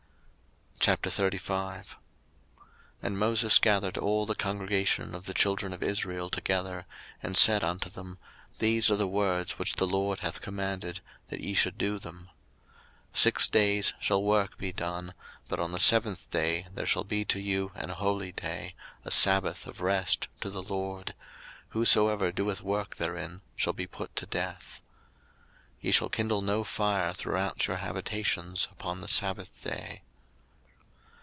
02:035:001 And Moses gathered all the congregation of the children of Israel together, and said unto them, These are the words which the LORD hath commanded, that ye should do them. 02:035:002 Six days shall work be done, but on the seventh day there shall be to you an holy day, a sabbath of rest to the LORD: whosoever doeth work therein shall be put to death. 02:035:003 Ye shall kindle no fire throughout your habitations upon the sabbath day.